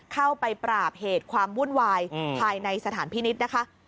เข้าไปปราบเหตุความวุ่นวายภายในสถานพินิษฐ์นะคะ